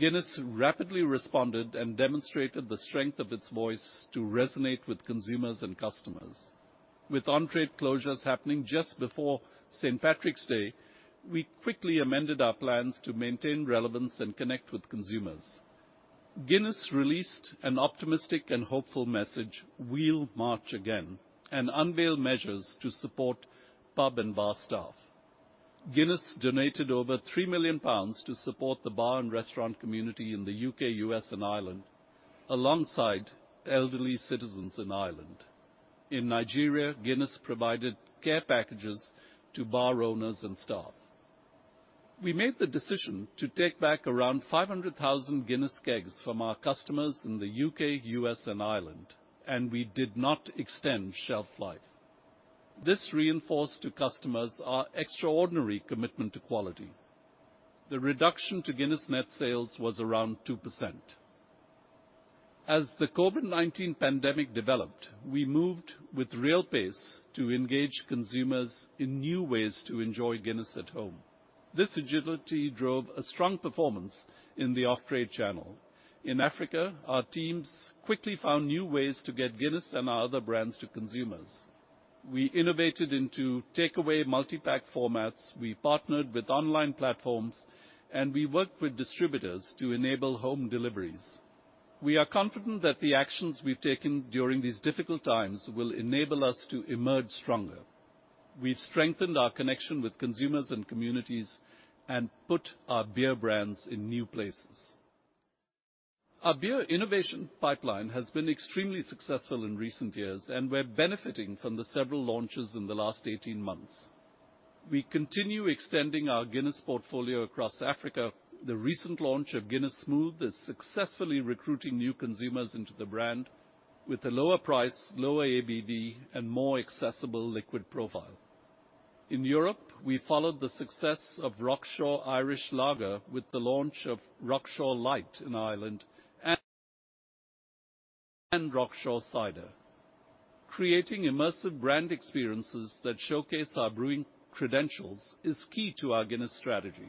Guinness rapidly responded and demonstrated the strength of its voice to resonate with consumers and customers. With on-trade closures happening just before St. Patrick's Day, we quickly amended our plans to maintain relevance and connect with consumers. Guinness released an optimistic and hopeful message, We'll March Again, and unveiled measures to support pub and bar staff. Guinness donated over 3 million pounds to support the bar and restaurant community in the U.K., U.S., and Ireland, alongside elderly citizens in Ireland. In Nigeria, Guinness provided care packages to bar owners and staff. We made the decision to take back around 500,000 Guinness kegs from our customers in the U.K., U.S., and Ireland, and we did not extend shelf life. This reinforced to customers our extraordinary commitment to quality. The reduction to Guinness net sales was around 2%. As the COVID-19 pandemic developed, we moved with real pace to engage consumers in new ways to enjoy Guinness at home. This agility drove a strong performance in the off-trade channel. In Africa, our teams quickly found new ways to get Guinness and our other brands to consumers. We innovated into takeaway multi-pack formats, we partnered with online platforms, and we worked with distributors to enable home deliveries. We are confident that the actions we've taken during these difficult times will enable us to emerge stronger. We've strengthened our connection with consumers and communities and put our beer brands in new places. Our beer innovation pipeline has been extremely successful in recent years, and we're benefiting from the several launches in the last 18 months. We continue extending our Guinness portfolio across Africa. The recent launch of Guinness Smooth is successfully recruiting new consumers into the brand with a lower price, lower ABV, and more accessible liquid profile. In Europe, we followed the success of Rockshore Irish Lager with the launch of Rockshore Light in Ireland and Rockshore Cider. Creating immersive brand experiences that showcase our brewing credentials is key to our Guinness strategy.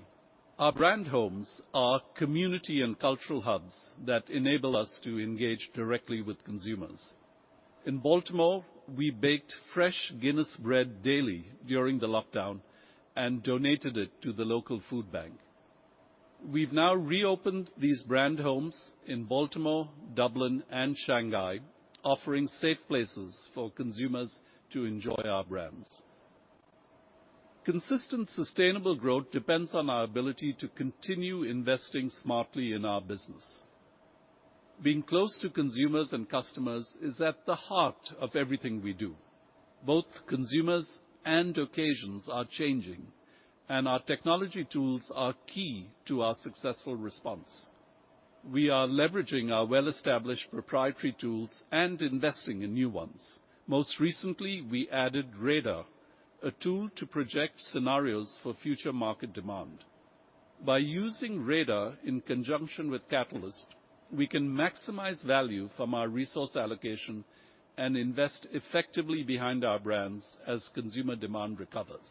Our brand homes are community and cultural hubs that enable us to engage directly with consumers. In Baltimore, we baked fresh Guinness bread daily during the lockdown and donated it to the local food bank. We've now reopened these brand homes in Baltimore, Dublin, and Shanghai, offering safe places for consumers to enjoy our brands. Consistent, sustainable growth depends on our ability to continue investing smartly in our business. Being close to consumers and customers is at the heart of everything we do. Both consumers and occasions are changing, and our technology tools are key to our successful response. We are leveraging our well-established proprietary tools and investing in new ones. Most recently, we added Radar, a tool to project scenarios for future market demand. By using Radar in conjunction with Catalyst, we can maximize value from our resource allocation and invest effectively behind our brands as consumer demand recovers.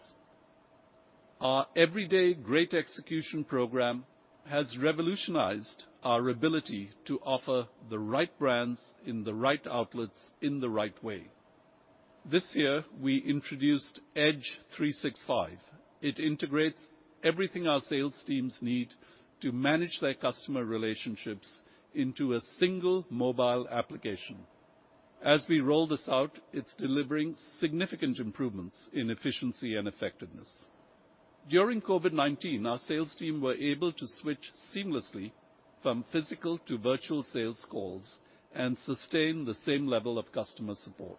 Our Everyday Great Execution program has revolutionized our ability to offer the right brands in the right outlets in the right way. This year, we introduced EDGE 365, it integrates everything our sales teams need to manage their customer relationships into a single mobile application. As we roll this out, it's delivering significant improvements in efficiency and effectiveness. During COVID-19, our sales team were able to switch seamlessly from physical to virtual sales calls and sustain the same level of customer support.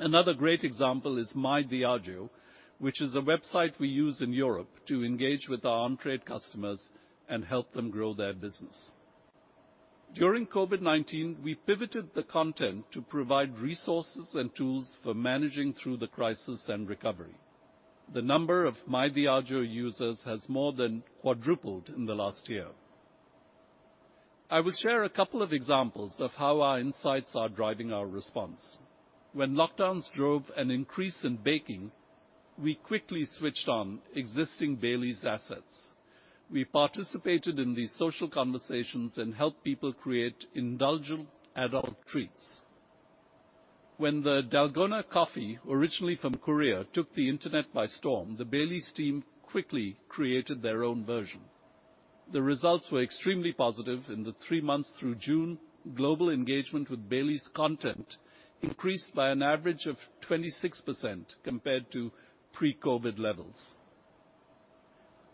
Another great example is My Diageo, which is a website we use in Europe to engage with our on-trade customers and help them grow their business. During COVID-19, we pivoted the content to provide resources and tools for managing through the crisis and recovery. The number of My Diageo users has more than quadrupled in the last year. I will share a couple of examples of how our insights are driving our response. When lockdowns drove an increase in baking, we quickly switched on existing Baileys assets. We participated in these social conversations and helped people create indulgent adult treats. When the Dalgona coffee, originally from Korea, took the internet by storm, the Baileys team quickly created their own version. The results were extremely positive. In the three months through June, global engagement with Baileys content increased by an average of 26% compared to pre-COVID levels.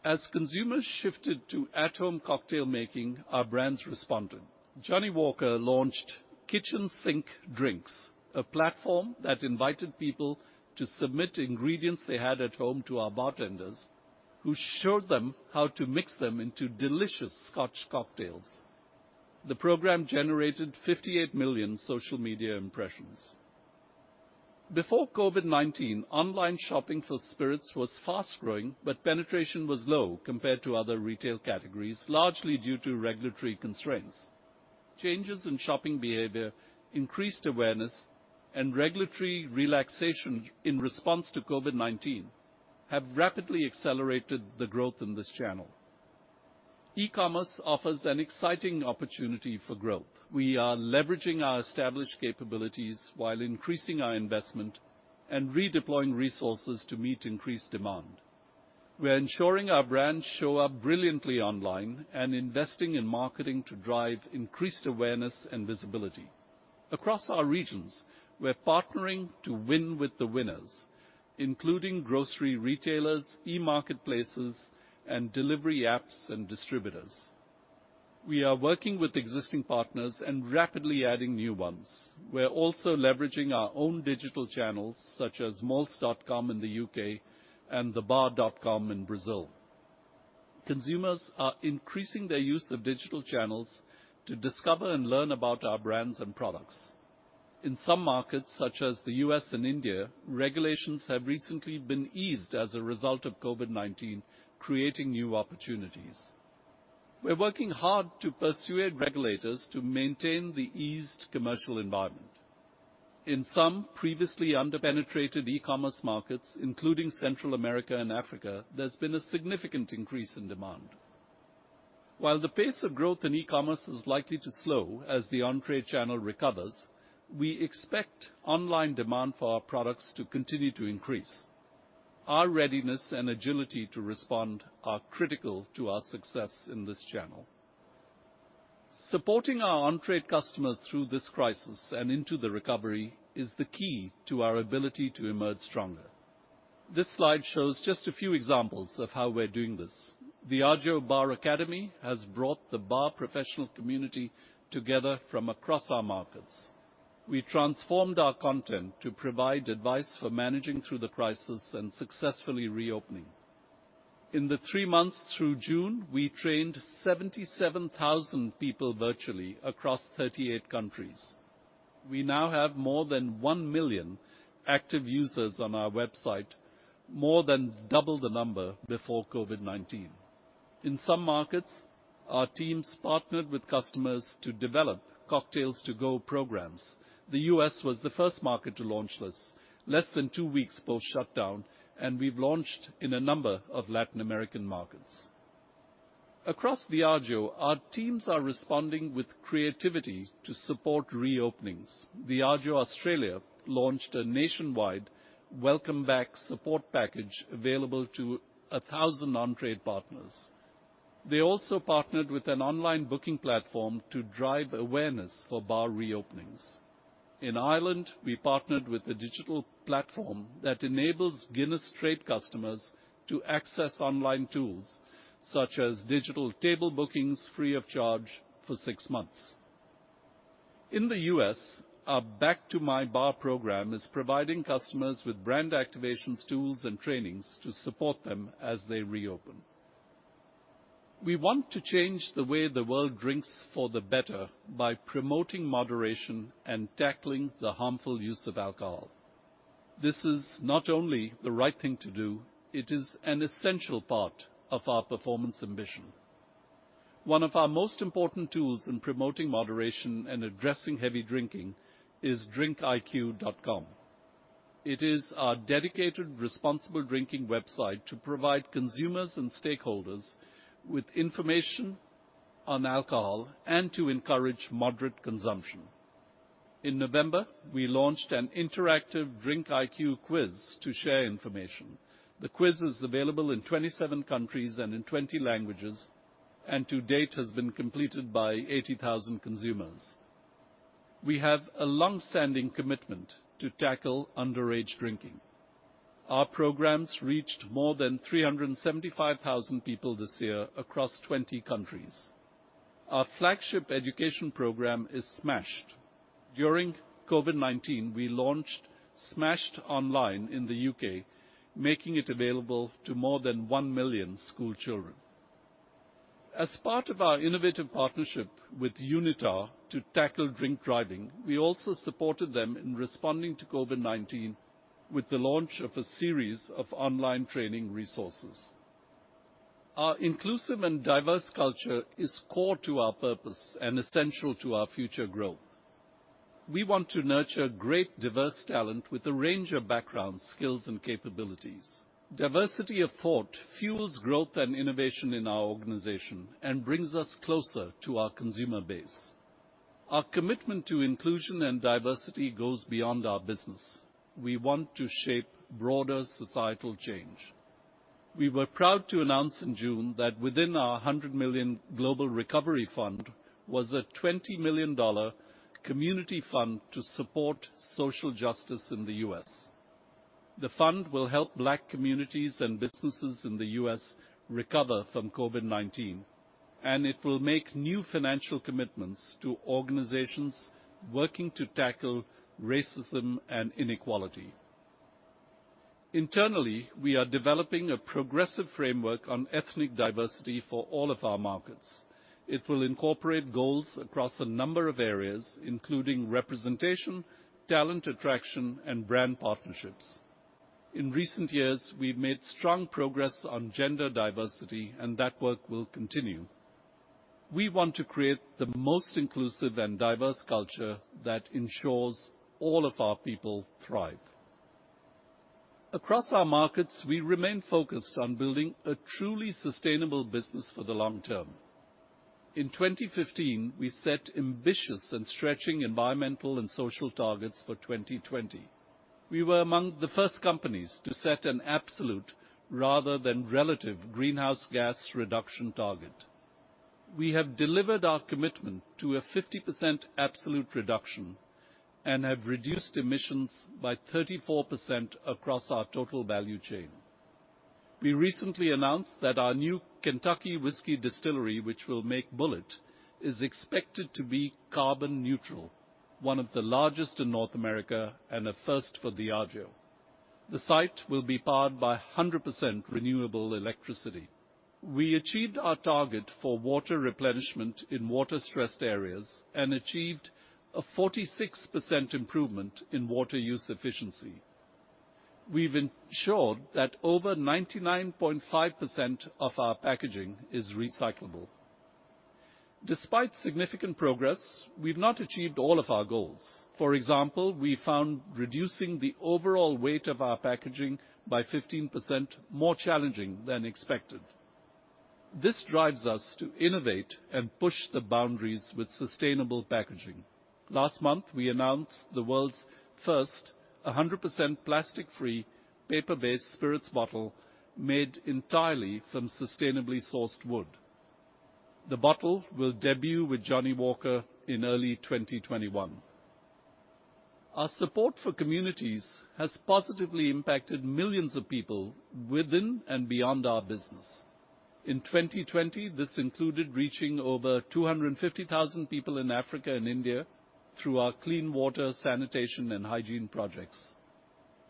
As consumers shifted to at-home cocktail making, our brands responded. Johnnie Walker launched Kitchen Sink Drinks, a platform that invited people to submit ingredients they had at home to our bartenders, who showed them how to mix them into delicious Scotch cocktails. The program generated 58 million social media impressions. Before COVID-19, online shopping for spirits was fast growing, but penetration was low compared to other retail categories, largely due to regulatory constraints. Changes in shopping behavior, increased awareness, and regulatory relaxation in response to COVID-19 have rapidly accelerated the growth in this channel. E-commerce offers an exciting opportunity for growth. We are leveraging our established capabilities while increasing our investment and redeploying resources to meet increased demand. We're ensuring our brands show up brilliantly online, and investing in marketing to drive increased awareness and visibility. Across our regions, we're partnering to win with the winners, including grocery retailers, e-marketplaces, and delivery apps and distributors. We are working with existing partners and rapidly adding new ones. We're also leveraging our own digital channels, such as malts.com in the U.K. and thebar.com in Brazil. Consumers are increasing their use of digital channels to discover and learn about our brands and products. In some markets, such as the U.S. and India, regulations have recently been eased as a result of COVID-19, creating new opportunities. We're working hard to persuade regulators to maintain the eased commercial environment. In some previously under-penetrated e-commerce markets, including Central America and Africa, there's been a significant increase in demand. While the pace of growth in e-commerce is likely to slow as the on-trade channel recovers, we expect online demand for our products to continue to increase. Our readiness and agility to respond are critical to our success in this channel. Supporting our on-trade customers through this crisis and into the recovery is the key to our ability to emerge stronger. This slide shows just a few examples of how we're doing this. Diageo Bar Academy has brought the bar professional community together from across our markets. We transformed our content to provide advice for managing through the crisis and successfully reopening. In the three months through June, we trained 77,000 people virtually across 38 countries. We now have more than 1 million active users on our website, more than double the number before COVID-19. In some markets, our teams partnered with customers to develop cocktails-to-go programs. The U.S. was the first market to launch this less than two weeks post shutdown, and we've launched in a number of Latin American markets. Across Diageo, our teams are responding with creativity to support reopenings. Diageo Australia launched a nationwide welcome back support package available to 1,000 on-trade partners. They also partnered with an online booking platform to drive awareness for bar reopenings. In Ireland, we partnered with a digital platform that enables Guinness trade customers to access online tools, such as digital table bookings, free of charge for six months. In the U.S., our Back to My Bar program is providing customers with brand activations, tools, and trainings to support them as they reopen. We want to change the way the world drinks for the better by promoting moderation and tackling the harmful use of alcohol. This is not only the right thing to do, it is an essential part of our performance ambition. One of our most important tools in promoting moderation and addressing heavy drinking is drinkiq.com. It is our dedicated responsible drinking website to provide consumers and stakeholders with information on alcohol and to encourage moderate consumption. In November, we launched an interactive DRINKiQ quiz to share information. The quiz is available in 27 countries and in 20 languages. To date, it has been completed by 80,000 consumers. We have a longstanding commitment to tackle underage drinking. Our programs reached more than 375,000 people this year across 20 countries. Our flagship education program is Smashed. During COVID-19, we launched Smashed Online in the U.K., making it available to more than 1 million schoolchildren. As part of our innovative partnership with UNITAR to tackle drink driving, we also supported them in responding to COVID-19 with the launch of a series of online training resources. Our inclusive and diverse culture is core to our purpose and essential to our future growth. We want to nurture great, diverse talent with a range of backgrounds, skills, and capabilities. Diversity of thought fuels growth and innovation in our organization and brings us closer to our consumer base. Our commitment to inclusion and diversity goes beyond our business. We want to shape broader societal change. We were proud to announce in June that within our $100 million global recovery fund was a $20 million community fund to support social justice in the U.S. The fund will help Black communities and businesses in the U.S. recover from COVID-19, and it will make new financial commitments to organizations working to tackle racism and inequality. Internally, we are developing a progressive framework on ethnic diversity for all of our markets. It will incorporate goals across a number of areas, including representation, talent attraction, and brand partnerships. In recent years, we've made strong progress on gender diversity, and that work will continue. We want to create the most inclusive and diverse culture that ensures all of our people thrive. Across our markets, we remain focused on building a truly sustainable business for the long term. In 2015, we set ambitious and stretching environmental and social targets for 2020. We were among the first companies to set an absolute rather than relative greenhouse gas reduction target. We have delivered our commitment to a 50% absolute reduction and have reduced emissions by 34% across our total value chain. We recently announced that our new Kentucky whiskey distillery, which will make Bulleit, is expected to be carbon neutral, one of the largest in North America, and a first for Diageo. The site will be powered by 100% renewable electricity. We achieved our target for water replenishment in water-stressed areas and achieved a 46% improvement in water use efficiency. We've ensured that over 99.5% of our packaging is recyclable. Despite significant progress, we've not achieved all of our goals. For example, we found reducing the overall weight of our packaging by 15% more challenging than expected. This drives us to innovate and push the boundaries with sustainable packaging. Last month, we announced the world's first 100% plastic-free, paper-based spirits bottle made entirely from sustainably sourced wood. The bottle will debut with Johnnie Walker in early 2021. Our support for communities has positively impacted millions of people within and beyond our business. In 2020, this included reaching over 250,000 people in Africa and India through our clean water, sanitation, and hygiene projects.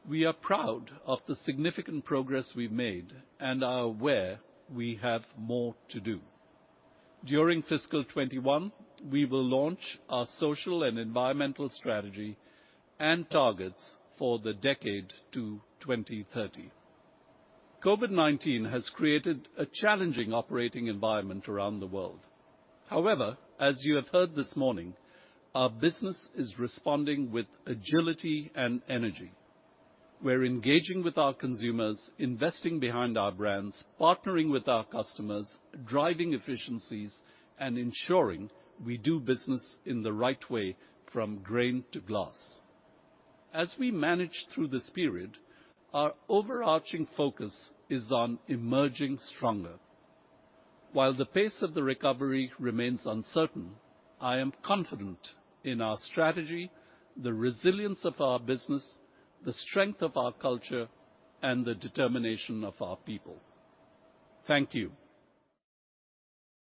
We are proud of the significant progress we've made and are aware we have more to do. During fiscal 2021, we will launch our social and environmental strategy and targets for the decade to 2030. COVID-19 has created a challenging operating environment around the world. As you have heard this morning, our business is responding with agility and energy. We're engaging with our consumers, investing behind our brands, partnering with our customers, driving efficiencies, and ensuring we do business in the right way from grain to glass. As we manage through this period, our overarching focus is on emerging stronger. While the pace of the recovery remains uncertain, I am confident in our strategy, the resilience of our business, the strength of our culture, and the determination of our people. Thank you.